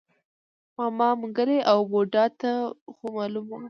ماما منګلی او بوډا ته خومالوم و کنه.